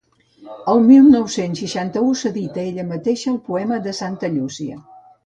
El mil nou-cents seixanta-u s'edita ella mateixa el Poema de Santa Llúcia.